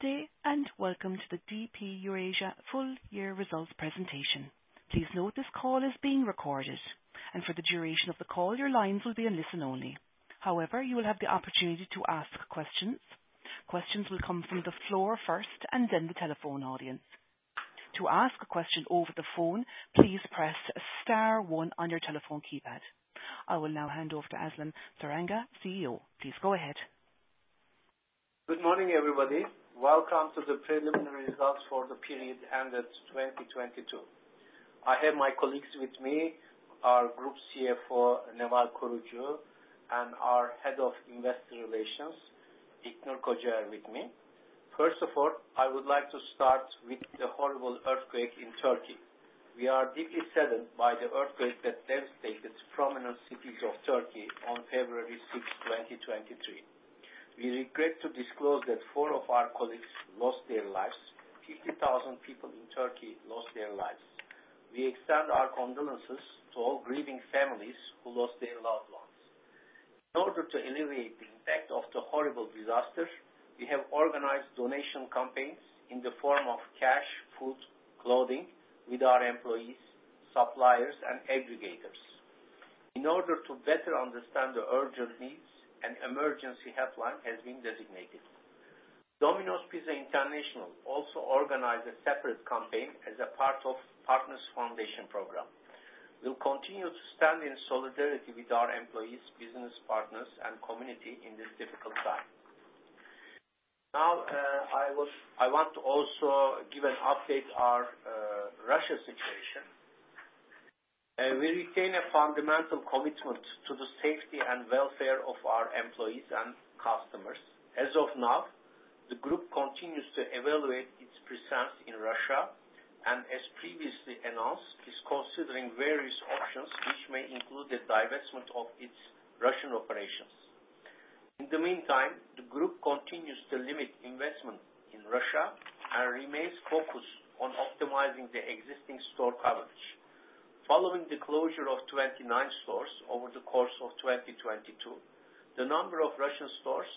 Good day. Welcome to the DP Eurasia full year results presentation. Please note this call is being recorded. For the duration of the call, your lines will be in listen only. However, you will have the opportunity to ask questions. Questions will come from the floor first and then the telephone audience. To ask a question over the phone, please press star one on your telephone keypad. I will now hand off to Aslan Saranga, CEO. Please go ahead. Good morning, everybody. Welcome to the preliminary results for the period ended 2022. I have my colleagues with me, our Group CFO, Neval Korucu, and our Head of Investor Relations, İlknur Kocaer are with me. First of all, I would like to start with the horrible earthquake in Turkey. We are deeply saddened by the earthquake that devastated prominent cities of Turkey on February 6, 2023. We regret to disclose that four of our colleagues lost their lives. 50,000 people in Turkey lost their lives. We extend our condolences to all grieving families who lost their loved ones. In order to alleviate the impact of the horrible disaster, we have organized donation campaigns in the form of cash, food, clothing with our employees, suppliers and aggregators. In order to better understand the urgent needs, an emergency helpline has been designated. Domino's Pizza International also organized a separate campaign as a part of Partners Foundation Program. We'll continue to stand in solidarity with our employees, business partners and community in this difficult time. Now, I want to also give an update our Russia situation. We retain a fundamental commitment to the safety and welfare of our employees and customers. As of now, the group continues to evaluate its presence in Russia, and as previously announced, is considering various options which may include the divestment of its Russian operations. In the meantime, the group continues to limit investment in Russia and remains focused on optimizing the existing store coverage. Following the closure of 29 stores over the course of 2022, the number of Russian stores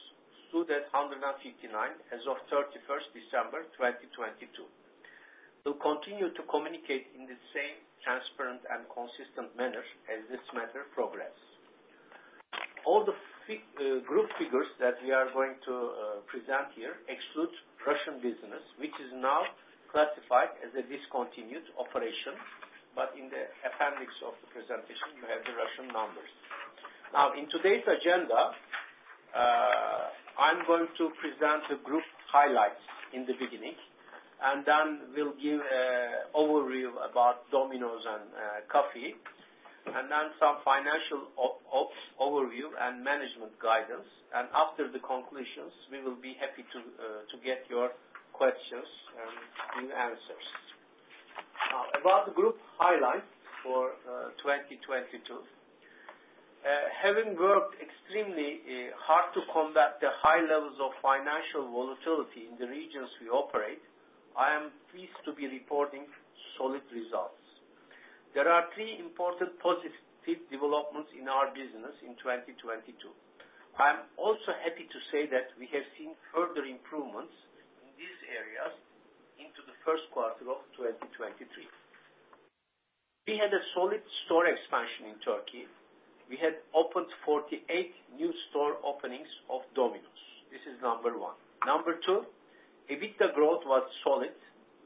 stood at 159 as of 31st December 2022. We'll continue to communicate in the same transparent and consistent manner as this matter progress. All the group figures that we are going to present here exclude Russian business, which is now classified as a discontinued operation. In the appendix of the presentation you have the Russian numbers. In today's agenda, I am going to present the group highlights in the beginning, we'll give overview about Domino's and COFFY. Some financial overview and management guidance. After the conclusions, we will be happy to get your questions and give answers. About the group highlights for 2022. Having worked extremely hard to combat the high levels of financial volatility in the regions we operate, I am pleased to be reporting solid results. There are 3 important positive developments in our business in 2022. I'm also happy to say that we have seen further improvements in these areas into the first quarter of 2023. We had a solid store expansion in Turkey. We had opened 48 new store openings of Domino's. This is number one. Number two, EBITDA growth was solid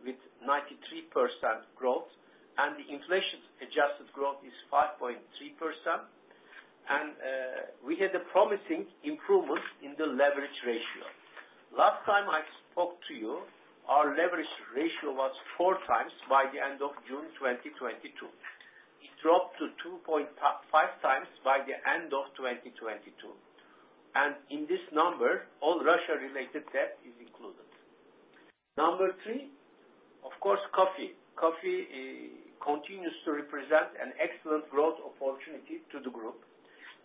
with 93% growth, the inflation-adjusted growth is 5.3%. We had a promising improvement in the leverage ratio. Last time I spoke to you, our leverage ratio was 4x by the end of June 2022. It dropped to 2.5x by the end of 2022. In this number, all Russia related debt is included. Number three, of course, COFFY. COFFY continues to represent an excellent growth opportunity to the group.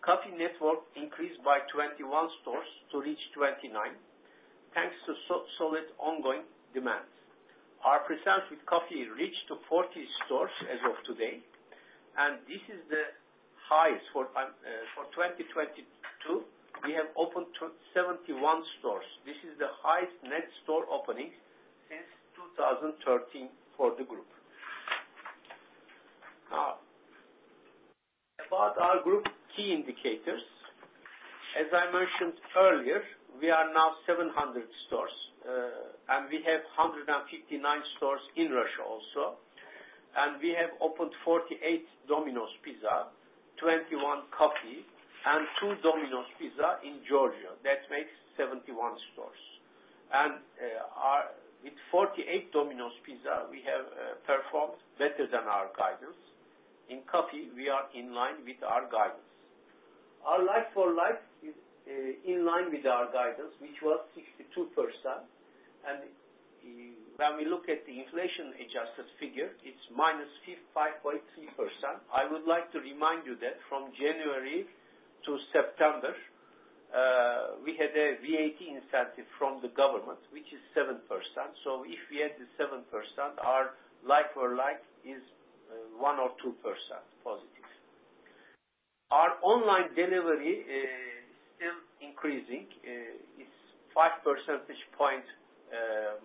COFFY network increased by 21 stores to reach 29, thanks to so-solid ongoing demands. Our presence with COFFY reached to 40 stores as of today, this is the highest for 2022, we have opened 71 stores. This is the highest net store openings since 2013 for the group. About our group key indicators. As I mentioned earlier, we are now 700 stores, we have 159 stores in Russia also. We have opened 48 Domino's Pizza, 21 COFFY and 2 Domino's Pizza in Georgia. That makes 71 stores. With 48 Domino's Pizza, we have performed better than our guidance. In COFFY, we are in line with our guidance. Our like-for-like is in line with our guidance, which was 62%. When we look at the inflation-adjusted figure, it's -5.3%. I would like to remind you that from January to September, we had a VAT incentive from the government, which is 7%. If we add the 7%, our like-for-like is 1% or 2% positive. Our online delivery is still increasing. It's 5 percentage point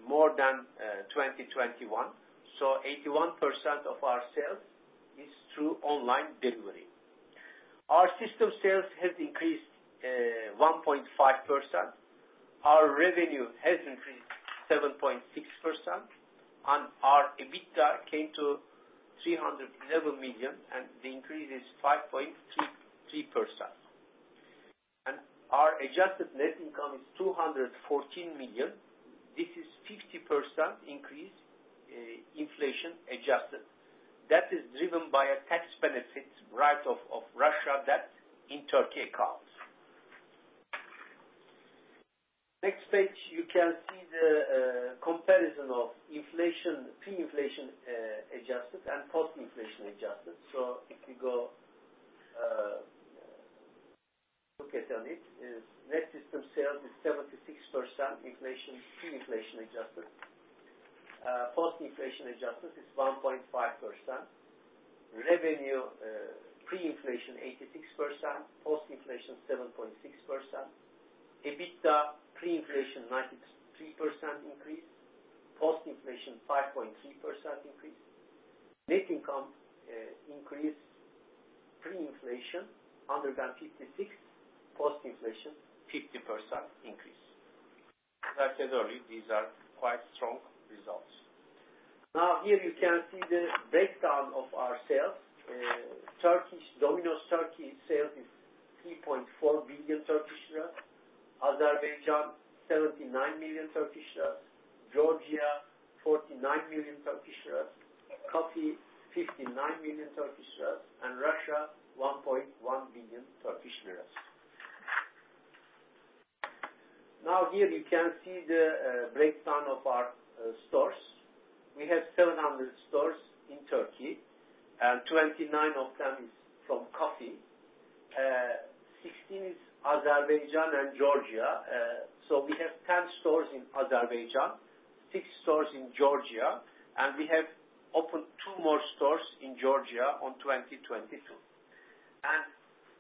more than 2021. 81% of our sales is through online delivery. Our system sales has increased 1.5%. Our revenue has increased 7.6%, and our EBITDA came to 311 million, and the increase is 5.33%. Our adjusted net income is 214 million. This is 50% increase, inflation-adjusted. That is driven by a tax benefit write-off of Russia debt in Turkey accounts. Next page, you can see the comparison of pre-inflation adjusted and post-inflation adjusted. If you go, look at on it, is net system sales is 76% pre-inflation adjusted. Post-inflation adjustment is 1.5%. Revenue, pre-inflation 86%, post-inflation 7.6%. EBITDA pre-inflation 93% increase, post-inflation 5.3% increase. Net income, increase pre-inflation 156%, post-inflation 50% increase. Like I said earlier, these are quite strong results. Here you can see the breakdown of our sales. Domino's Turkey sale is 3.4 billion Turkish lira. Azerbaijan, 79 million Turkish lira. Georgia, 49 million Turkish lira. COFFY, 59 million Turkish lira. Russia, 1.1 billion Turkish lira. Here you can see the breakdown of our stores. We have 700 stores in Turkey, and 29 of them is from COFFY. 16 is Azerbaijan and Georgia. We have 10 stores in Azerbaijan, six stores in Georgia, and we have opened two more stores in Georgia on 2022.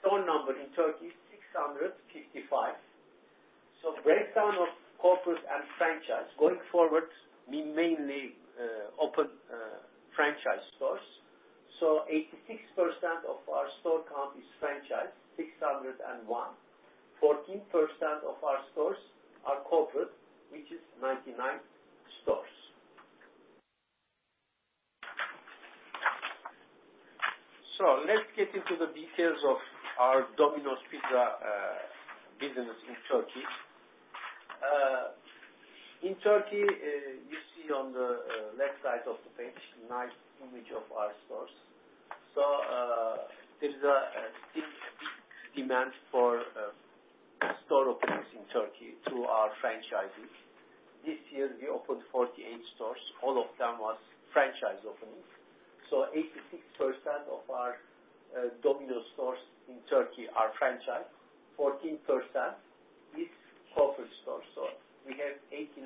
Store number in Turkey is 655. Breakdown of corporate and franchise. Going forward, we mainly open franchise stores. 86% of our store count is franchise, 601. 14% of our stores are corporate, which is 99 stores. Let's get into the details of our Domino's Pizza business in Turkey. In Turkey, you see on the left side of the page, nice image of our stores. There's a big demand for store openings in Turkey through our franchising. This year we opened 48 stores. All of them was franchise openings. 86% of our Domino's stores in Turkey are franchise. 14% is corporate stores. We have 89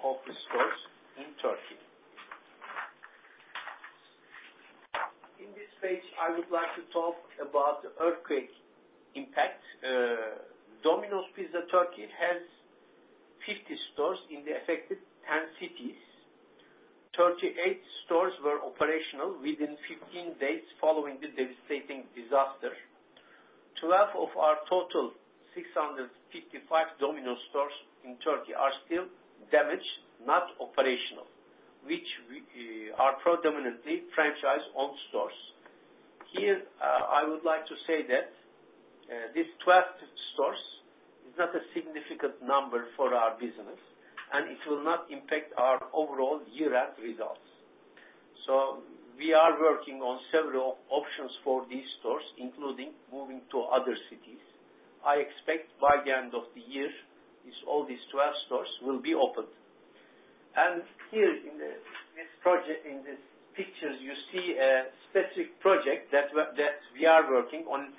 corporate stores in Turkey. In this page, I would like to talk about the earthquake impact. Domino's Pizza Turkey has 50 stores in the affected 10 cities. 38 stores were operational within 15 days following the devastating disaster. 12 of our total 655 Domino's stores in Turkey are still damaged, not operational, which are predominantly franchise-owned stores. Here, I would like to say that these 12 stores is not a significant number for our business, and it will not impact our overall year-end results. We are working on several options for these stores, including moving to other cities. I expect by the end of the year, is all these 12 stores will be opened. Here in this project, in these pictures, you see a specific project that we, that we are working on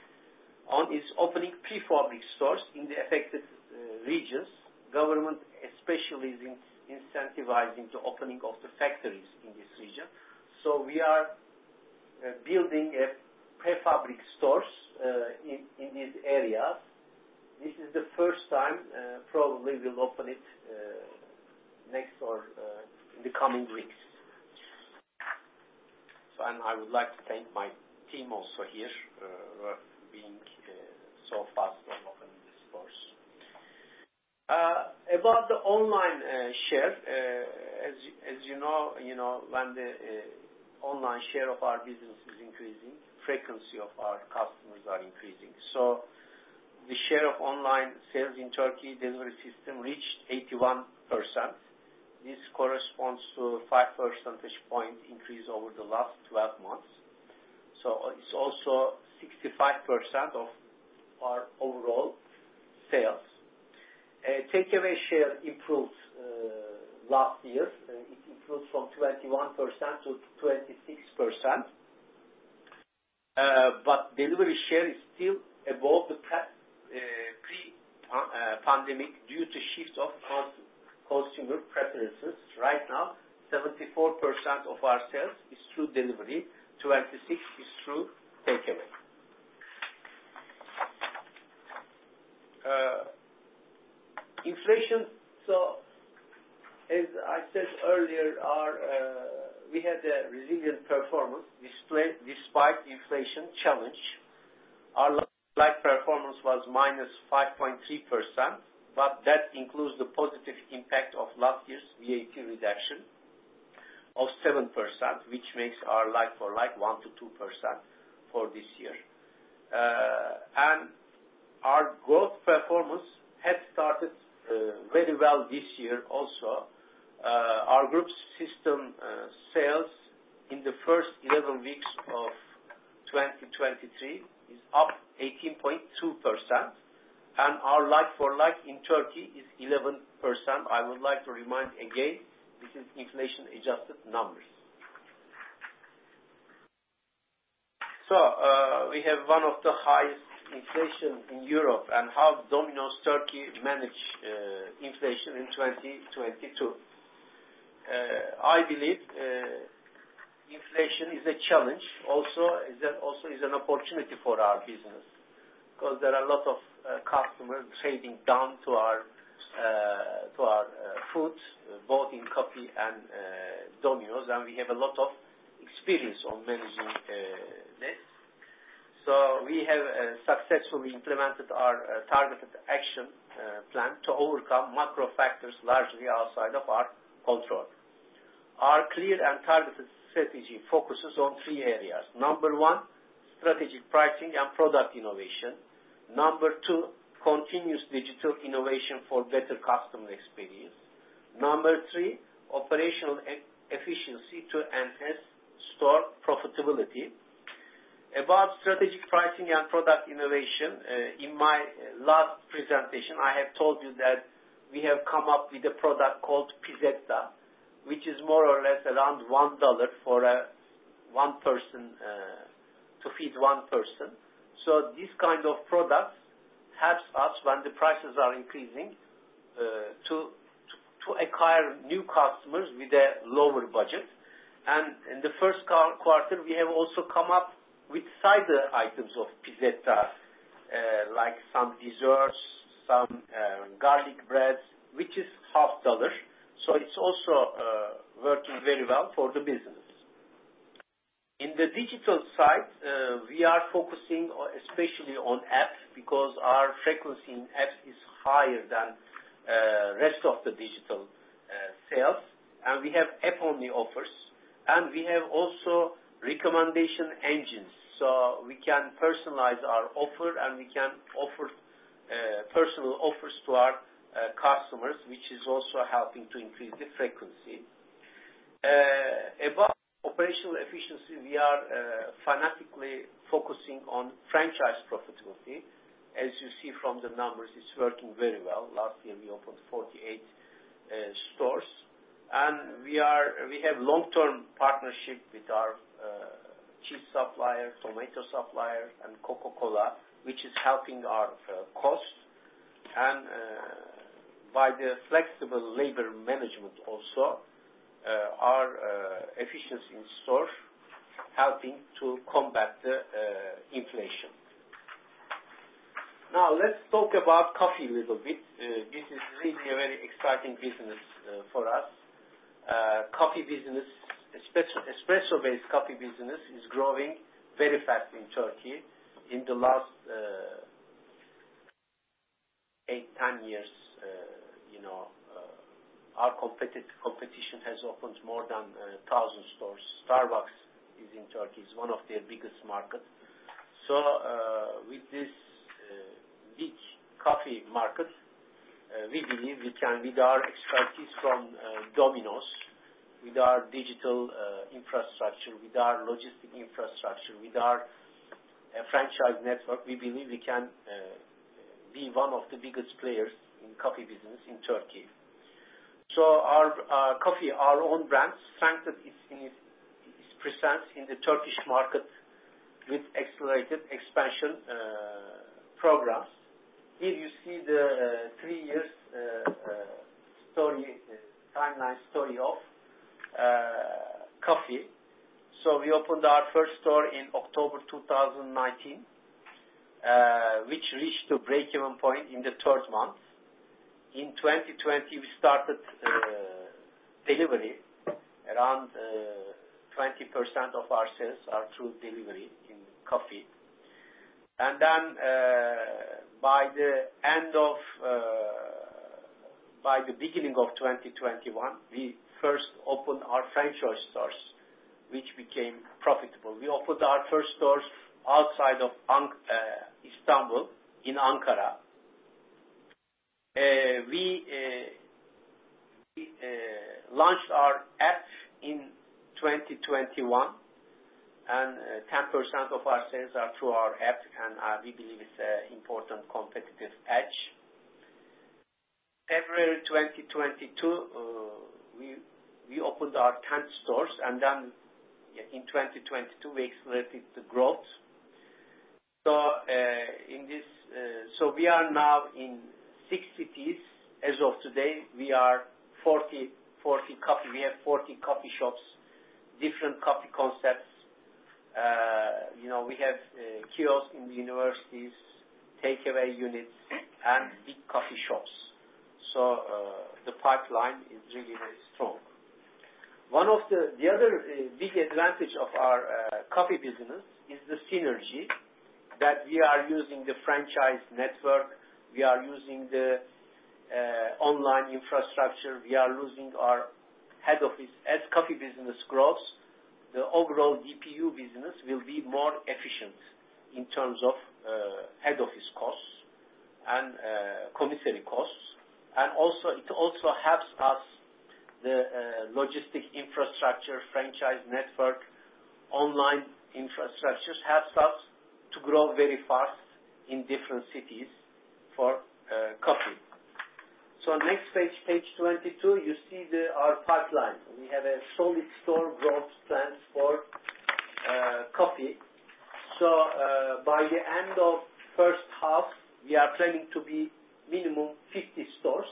is opening prefabricated stores in the affected regions. Government especially is incentivizing the opening of the factories in this region. We are building prefabricated stores in this area. This is the first time. Probably we'll open it next or in the coming weeks. I would like to thank my team also here for being so fast on opening these stores. About the online share, as you know, you know, when the online share of our business is increasing, frequency of our customers are increasing. The share of online sales in Turkey delivery system reached 81%. This corresponds to 5 percentage point increase over the last 12 months. It's also 65% of our overall sales. Takeaway share improved last year. It improved from 21%-26%. But delivery share is still above the pre-pandemic due to shift of consumer preferences. Right now, 74% of our sales is through delivery, 26% is through takeaway. Inflation. As I said earlier, our we had a resilient performance despite inflation challenge. Our like-for-like performance was -5.3%, but that includes the positive impact of last year's VAT reduction of 7%, which makes our like-for-like 1%-2% for this year. Our growth performance had started very well this year also. Our group's system sales in the first 11 weeks of 2023 is up 18.2%, and our like-for-like in Turkey is 11%. I would like to remind again, this is inflation-adjusted numbers. We have one of the highest inflation in Europe and how Domino's Turkey manage inflation in 2022. I believe inflation is a challenge, also is an opportunity for our business, 'cause there are a lot of customers trading down to our to our foods, both in COFFY and Domino's, and we have a lot of experience on managing this. We have successfully implemented our targeted action plan to overcome macro factors largely outside of our control. Our clear and targeted strategy focuses on three areas. Number one. strategic pricing and product innovation. Number two. continuous digital innovation for better customer experience. Number three. operational e-efficiency to enhance store profitability. About strategic pricing and product innovation, in my last presentation, I have told you that we have come up with a product called Pizzetta, which is more or less around $1 for a one person, to feed one person. This kind of products helps us when the prices are increasing, to acquire new customers with a lower budget. In the first quarter, we have also come up with side items of Pizzetta, like some desserts, some garlic breads, which is half dollar. It's also working very well for the business. In the digital side, we are focusing on, especially on app because our frequency in app is higher than rest of the digital sales. We have app-only offers, and we have also recommendation engines, so we can personalize our offer, and we can offer personal offers to our customers, which is also helping to increase the frequency. About operational efficiency, we are fanatically focusing on franchise profitability. As you see from the numbers, it's working very well. Last year, we opened 48 stores. We have long-term partnership with our cheese supplier, tomato supplier, and Coca-Cola, which is helping our costs. By the flexible labor management also, our efficiency in store helping to combat the inflation. Let's talk about coffee a little bit. This is really a very exciting business for us. Coffee business, espresso-based coffee business is growing very fast in Turkey. In the last, eight, 10 years, you know, our competition has opened more than 1,000 stores. Starbucks is in Turkey, it's one of their biggest markets. With this big coffee market, we believe we can, with our expertise from Domino's, with our digital infrastructure, with our logistic infrastructure, with our franchise network, we believe we can be one of the biggest players in coffee business in Turkey. Our coffee, our own brands, is present in the Turkish market with accelerated expansion programs. Here you see the three years story timeline story of coffee. We opened our first store in October 2019, which reached a break-even point in the third month. In 2020, we started delivery. Around 20% of our sales are through delivery in coffee. Then, by the end of, by the beginning of 2021, we first opened our franchise stores, which became profitable. We opened our first stores outside of Istanbul, in Ankara. We launched our app in 2021, and 10% of our sales are through our app. We believe it's an important competitive edge. February 2022, we opened our 10th stores. In 2022 we accelerated the growth. In this, we are now in six cities. As of today, we have 40 coffee shops, different coffee concepts. You know, we have kiosks in the universities, takeaway units, and big coffee shops. The pipeline is really very strong. One of the... The other big advantage of our coffee business is the synergy that we are using the franchise network, we are using the online infrastructure, we are using our head office. As coffee business grows, the overall DPU business will be more efficient in terms of head office costs and commissary costs. It also helps us the logistic infrastructure, franchise network, online infrastructures, helps us to grow very fast in different cities for coffee. Page 22, you see the, our pipeline. We have a solid store growth plans for coffee. By the end of first half, we are planning to be minimum 50 stores.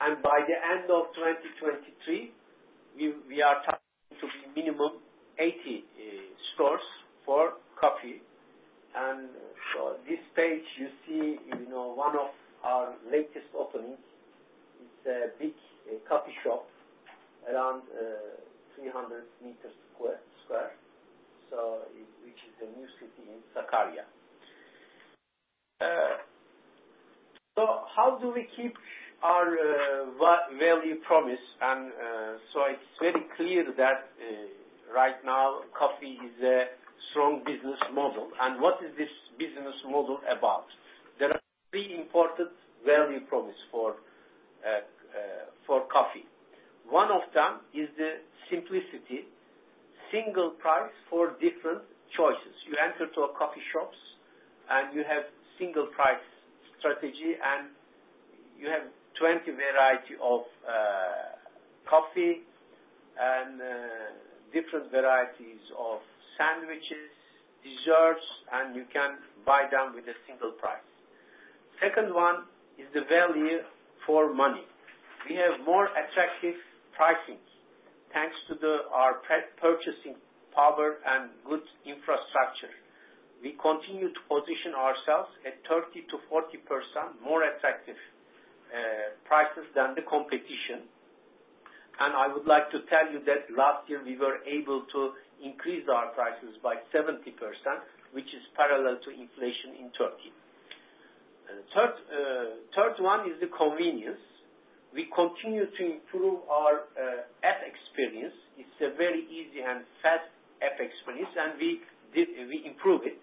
By the end of 2023, we are targeting to be minimum 80 stores for coffee. This page you see, you know, one of our latest openings. It's a big coffee shop around 300 meters square, which is a new city in Sakarya. How do we keep our value promise? It's very clear that right now coffee is a strong business model. What is this business model about? There are three important value promise for coffee. One of them is the simplicity. Single price for different choices. You enter to a coffee shops and you have single price strategy, and you have 20 variety of coffee and different varieties of sandwiches, desserts, and you can buy them with a single price. Second one is the value for money. We have more attractive pricing, thanks to the, our purchasing power and good infrastructure. We continue to position ourselves at 30%-40% more attractive prices than the competition. I would like to tell you that last year we were able to increase our prices by 70%, which is parallel to inflation in Turkey. Third, one is the convenience. We continue to improve our app experience. It's a very easy and fast app experience, and we improve it.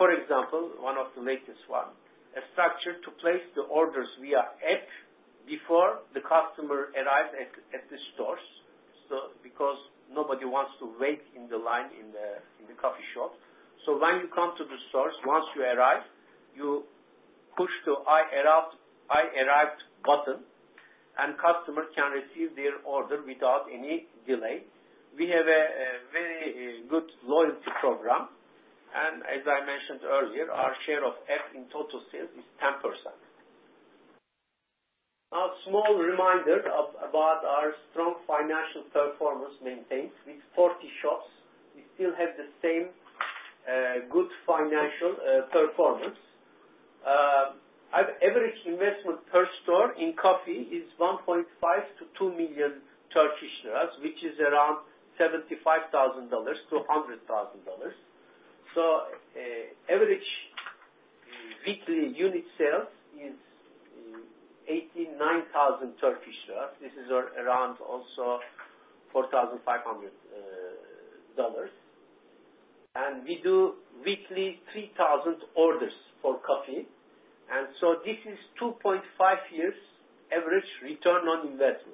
For example, one of the latest one. A structure to place the orders via app before the customer arrive at the stores. Because nobody wants to wait in the line in the coffee shop. When you come to the stores, once you arrive, you push the I arrived button, and customers can receive their order without any delay. We have a very good loyalty program. As I mentioned earlier, our share of app in total sales is 10%. A small reminder about our strong financial performance maintained with 40 shops. We still have the same good financial performance. Our average investment per store in coffee is 1.5 million-2 million Turkish lira, which is around $75,000-$100,000. Average weekly unit sales is 89,000 Turkish lira. This is around also $4,500. We do weekly 3,000 orders for coffee. This is 2.5 years average return on investment.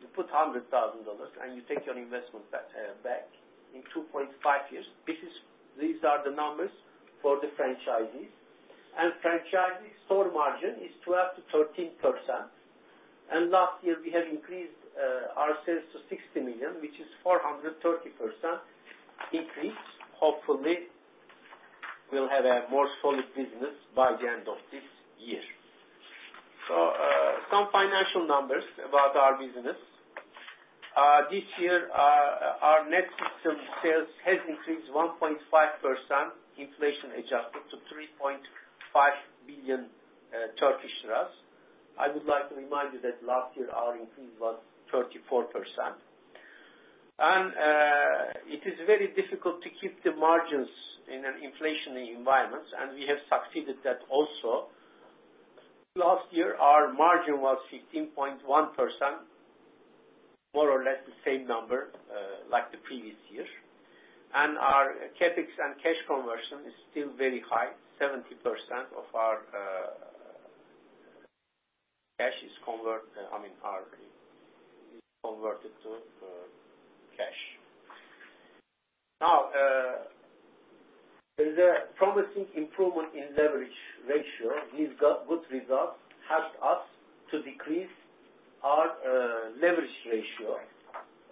You put $100,000, and you take your investment back in 2.5 years. These are the numbers for the franchisees. Franchisee store margin is 12%-13%. Last year we have increased our sales to 60 million, which is 430% increase. Hopefully, we'll have a more solid business by the end of this year. Some financial numbers about our business. This year, our net system sales has increased 1.5% inflation-adjusted to 3.5 billion Turkish lira. I would like to remind you that last year our increase was 34%. It is very difficult to keep the margins in an inflationary environment, and we have succeeded that also. Last year, our margin was 15.1%, more or less the same number, like the previous year. Our CapEx and cash conversion is still very high. 70% of our cash is converted to cash. There's a promising improvement in leverage ratio. These good results helped us to decrease our leverage ratio.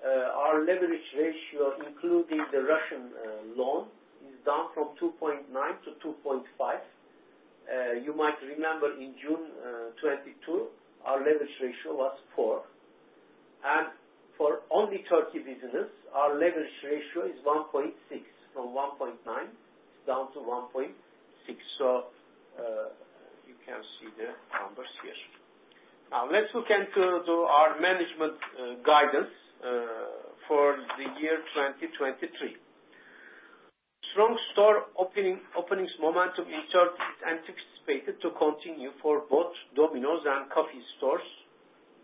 Our leverage ratio, including the Russian loan, is down from 2.9 to 2.5. You might remember in June 2022, our leverage ratio was 4. For only Turkey business, our leverage ratio is 1.6. From 1.9, it's down to 1.6. You can see the numbers here. Let's look into to our management guidance for the year 2023. Strong store openings momentum in Turkey is anticipated to continue for both Domino's and COFFY stores,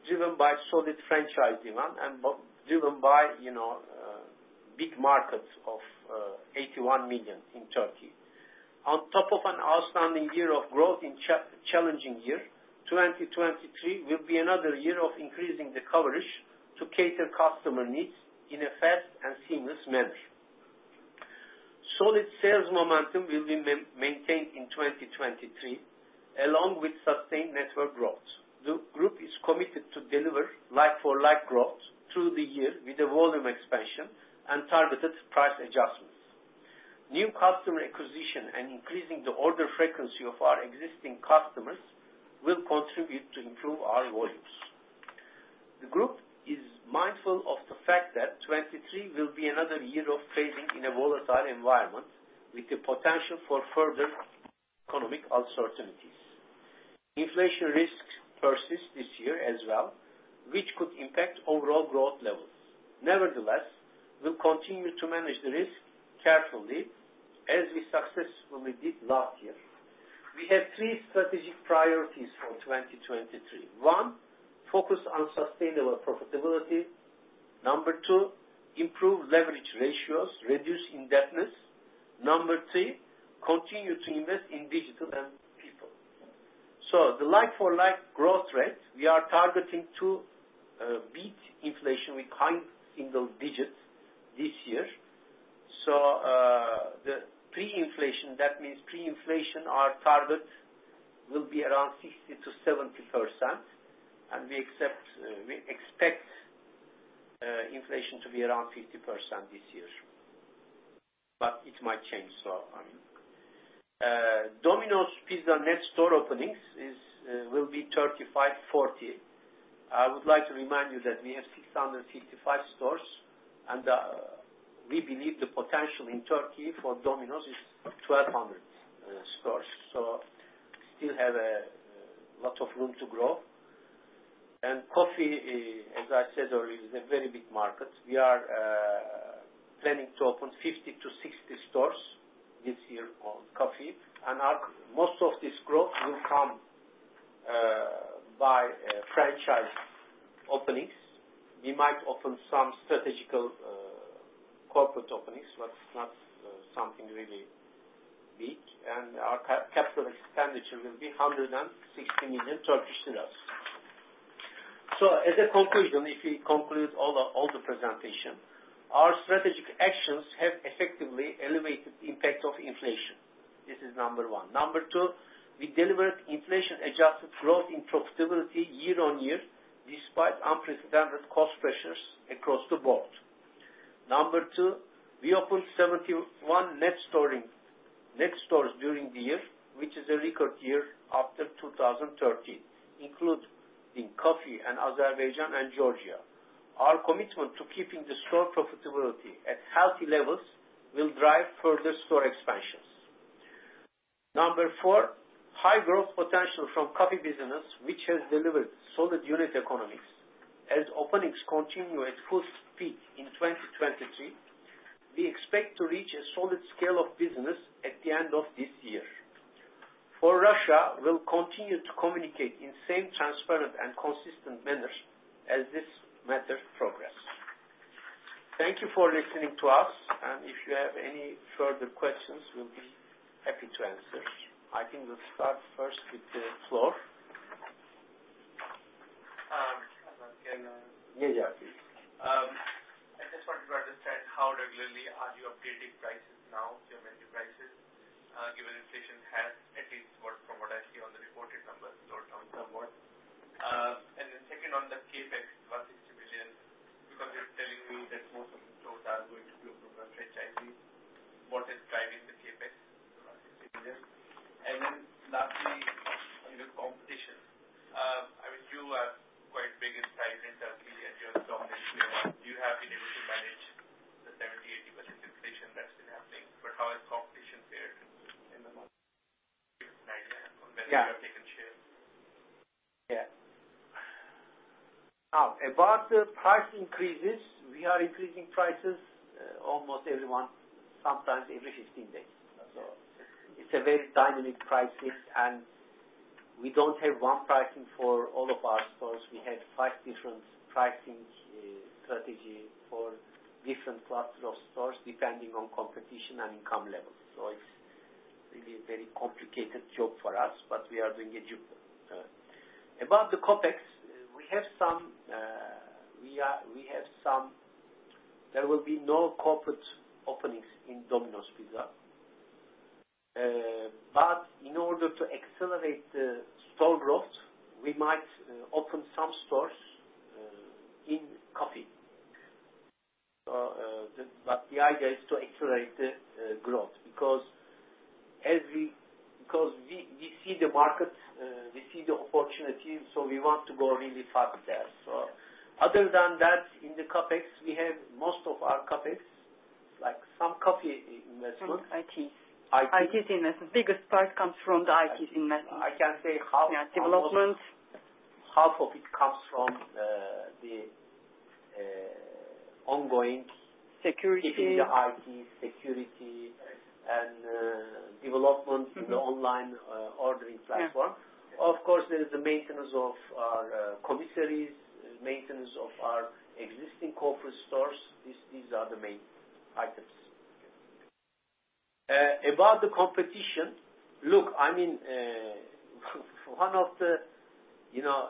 driven by solid franchise demand and driven by, you know, big market of 81 million in Turkey. On top of an outstanding year of growth and challenging year, 2023 will be another year of increasing the coverage to cater customer needs in a fast and seamless manner. Solid sales momentum will be maintained in 2023, along with sustained network growth. The group is committed to deliver like-for-like growth through the year with a volume expansion and targeted price adjustments. New customer acquisition and increasing the order frequency of our existing customers will contribute to improve our volumes. The group is mindful of the fact that 2023 will be another year of trading in a volatile environment, with the potential for further economic uncertainties. Inflation risk persists this year as well, which could impact overall growth levels. Nevertheless, we'll continue to manage the risk carefully as we successfully did last year. We have three strategic priorities for 2023. One, focus on sustainable profitability. Number two, improve leverage ratios, reduce indebtedness. Number three, continue to invest in digital and people. The like-for-like growth rate, we are targeting to beat inflation with high single digits this year. The pre-inflation, that means pre-inflation, our target will be around 60%-70%. We expect inflation to be around 50% this year. It might change, I mean. Domino's Pizza net store openings will be 35-40. I would like to remind you that we have 655 stores, we believe the potential in Turkey for Domino's is 1,200 stores. Still have a lot of room to grow. COFFY, as I said already, is a very big market. We are planning to open 50-60 stores this year on COFFY. Most of this growth will come by franchise openings. We might open some strategical corporate openings, but not something really big. Our capital expenditure will be 160 million. As a conclusion, if we conclude all the presentation, our strategic actions have effectively elevated impact of inflation. This is number one. Number two, we delivered inflation-adjusted growth in profitability year-on-year, despite unprecedented cost pressures across the board. Number two, we opened 71 net stores during the year, which is a record year after 2013, including COFFY and Azerbaijan and Georgia. Our commitment to keeping the store profitability at healthy levels will drive further store expansions. Number four, high growth potential from COFFY business, which has delivered solid unit economics. As openings continue at full speed in 2023, we expect to reach a solid scale of business at the end of this year. For Russia, we'll continue to communicate in same transparent and consistent manner as this matter progress. Thank you for listening to us, and if you have any further questions, we'll be happy to answer. I think we'll start first with the floor. Um, can, uh- Yeah, yeah, please. I just wanted to understand how regularly are you updating prices now, your menu prices, given inflation has at least gone from what I see on the reported numbers or down somewhat? Second on the CapEx, TRY 160 million, because you're telling me that most of the stores are going to be opened on franchising. What is driving the CapEx to TRY 160 million? Lastly, on the competition, I mean, you are quite big in size in Turkey as you have dominated the market. You have been able to manage the 70%-80% inflation that's been happening. How has competition fared in the market? Give us an idea on whether. Yeah. You have taken share. Yeah. Now, about the price increases, we are increasing prices almost every month, sometimes every 15 days. It's a very dynamic pricing, and we don't have one pricing for all of our stores. We have five different pricing strategy for different cluster of stores, depending on competition and income levels. It's really a very complicated job for us, but we are doing a good job. About the CapEx, there will be no corporate openings in Domino's Pizza. In order to accelerate the store growth, we might open some stores in COFFY. The idea is to accelerate the growth because we see the market, we see the opportunity, we want to go really fast there. Other than that, in the CapEx, we have most of our CapEx, like some coffee investment. I.T. IT. I.T. investment. Biggest part comes from the I.T. investment. I can say half-. Yeah, developments. Half of it comes from, the. Security. Keeping the I.T. security and, development Mm-hmm. in the online ordering platform. Yeah. Of course, there is the maintenance of our commissaries, maintenance of our existing corporate stores. These are the main items. About the competition. Look, I mean, you know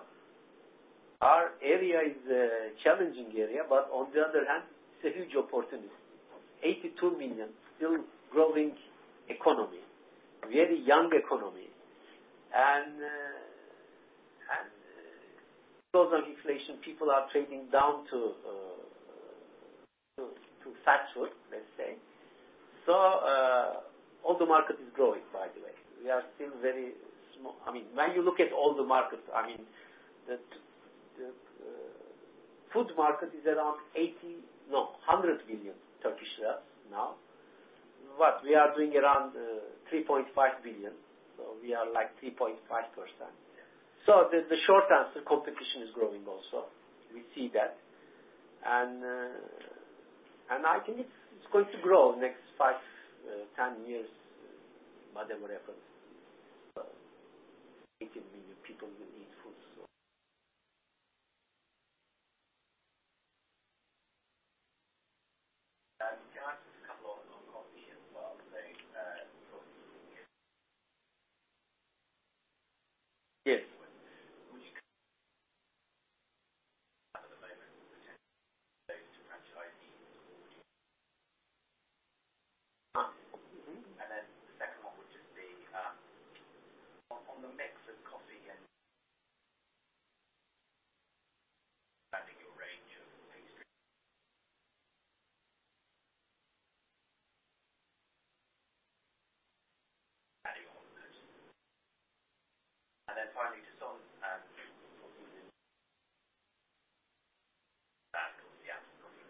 Our area is a challenging area, but on the other hand, it's a huge opportunity. 82 million, still growing economy, very young economy. Because of inflation, people are trading down to fast food, let's say. All the market is growing, by the way. We are still very small. I mean, when you look at all the markets, I mean, the food market is around 100 billion Turkish lira now. We are doing around 3.5 billion, so we are like 3.5%. The short answer, competition is growing also. We see that. I think it's going to grow next five, 10 years, by the records. 80 million people will need food. Can I ask just a couple on coffee and while I was saying. Yes. Would you at the moment to franchise? Mm-hmm. The second one would just be, on the mix of coffee and adding your range of these three adding on. Finally, just on that of course the outcome of.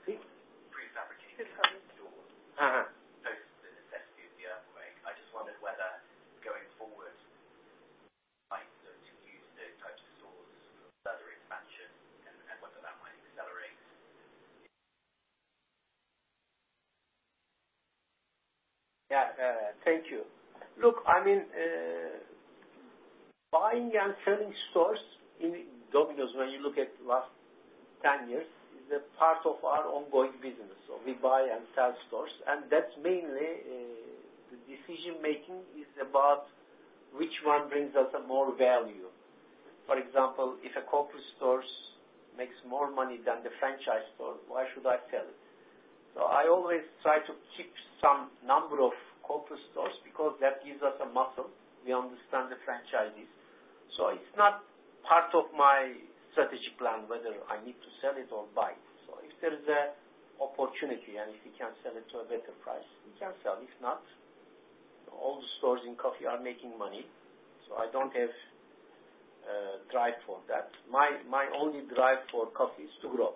Mm-hmm. Prefabricated stores. Uh-huh. Those that were affected by the earthquake. I just wondered whether going forward, like, sort of, to use those types of stores for further expansion and whether that might accelerate? Thank you. I mean, buying and selling stores in Domino's, when you look at the last 10 years, is a part of our ongoing business. We buy and sell stores, and that's mainly the decision-making is about which one brings us a more value. For example, if a corporate stores makes more money than the franchise store, why should I sell it? I always try to keep some number of corporate stores because that gives us a muscle. We understand the franchisees. It's not part of my strategy plan, whether I need to sell it or buy it. If there is an opportunity, and if we can sell it to a better price, we can sell. If not, all the stores in COFFY are making money. I don't have drive for that. My only drive for coffee is to grow.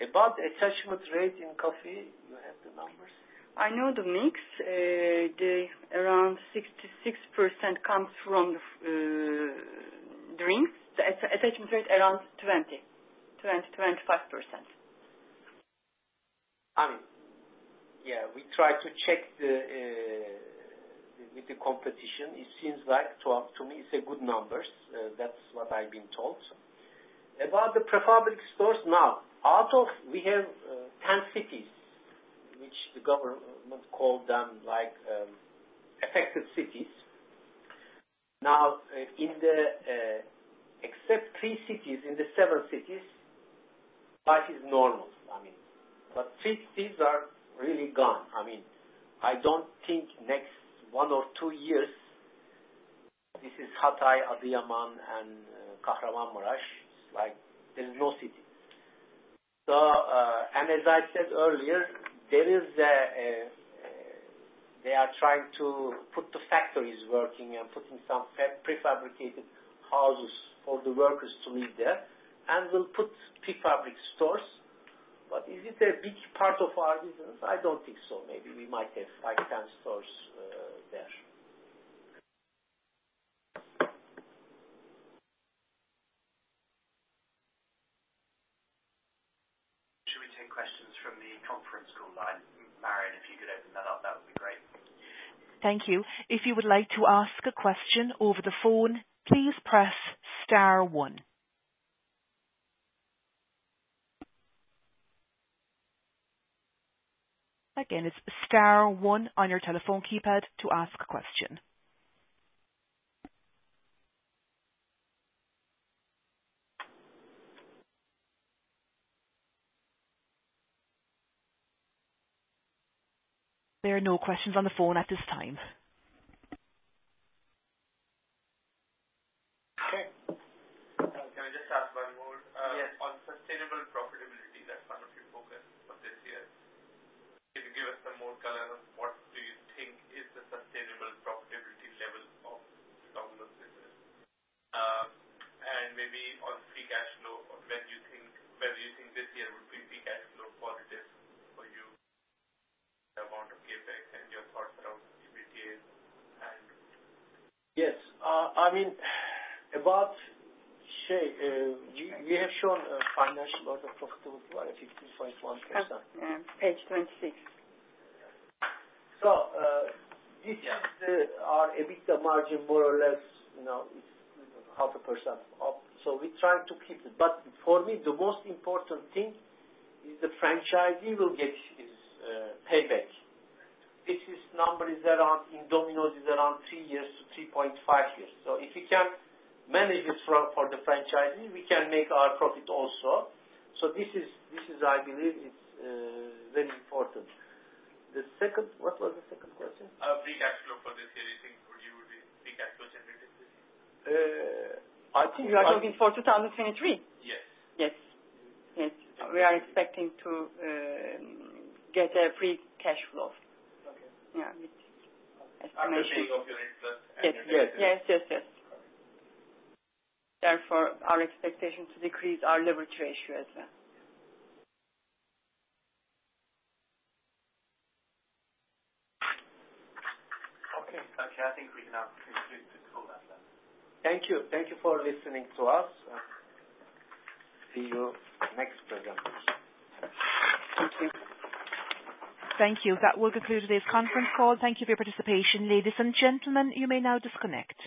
About attachment rate in coffee, you have the numbers? I know the mix. The around 66% comes from the drinks. The attachment rate around 20%-25%. Yeah, we try to check the with the competition. It seems like to me it's a good numbers. That's what I've been told. About the prefabricated stores. Out of we have 10 cities which the government called them, like affected cities. In the except three cities, in the seven cities, life is normal. I mean, these are really gone. I mean, I don't think next one or two years, this is Hatay, Adıyaman and Kahramanmaraş, like there's no city. As I said earlier, there is a, they are trying to put the factories working and putting some prefabricated houses for the workers to live there. We'll put prefabricated stores. Is it a big part of our business? I don't think so. Maybe we might have five, 10 stores there. Should we take questions from the conference call line? Marion, if you could open that up, that would be great. Thank you. If you would like to ask a question over the phone, please press star one. Again, it's star one on your telephone keypad to ask a question. There are no questions on the phone at this time. Okay. Can I just ask one more? Yes. On sustainable profitability, that's one of your focus for this year. Can you give us some more color on what do you think is the sustainable profitability level of Domino's business? Maybe on free cash flow, when do you think this year would be free cash flow positive for you, the amount of CapEx and your portion of EBITDA and-. Yes. I mean, about, Shay, you have shown a financial order profitable by 50.1%. Page 26. This is our EBITDA margin more or less, you know, is 0.5% up. We try to keep it. For me, the most important thing is the franchisee will get his payback. This is numbers around in Domino's is around three years-3.5 years. If we can manage it for the franchisee, we can make our profit also. This is, this is I believe is very important. What was the second question? Free cash flow for this year, you think would you be free cash flow generative this year? Uh, I think- You are looking for 2023? Yes. Yes. Yes. We are expecting to get a free cash flow. Okay. Yeah, with estimation. After paying off your interest and your debt. Yes. Yes. Yes. Therefore, our expectation to decrease our levered ratio as well. Okay. Okay. I think we can now conclude the call then. Thank you. Thank you for listening to us. See you next program. Thank you. Thank you. That will conclude today's conference call. Thank you for your participation. Ladies and gentlemen, you may now disconnect.